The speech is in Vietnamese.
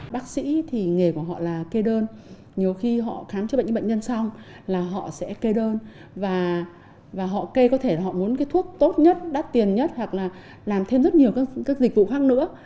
bác sĩ thì nghề của họ là kê đơn nhiều khi họ khám chữa bệnh cho bệnh nhân xong là họ sẽ kê đơn và họ kê có thể là họ muốn cái thuốc tốt nhất đắt tiền nhất hoặc là làm thêm rất nhiều các dịch vụ khác nữa